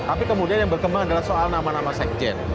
tapi kemudian yang berkembang adalah soal nama nama sekjen